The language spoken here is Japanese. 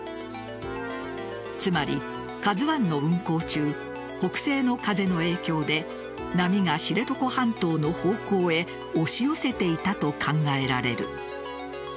つまり、「ＫＡＺＵ１」の運航中北西の風の影響で波が知床半島の方向へ押し寄せていたと考えられる。